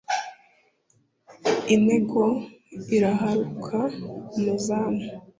intego irahaguruka, umuzamu